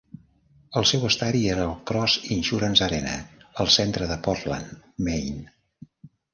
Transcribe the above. El seu estadi era el Cross Insurance Arena, al centre de Portland, Maine.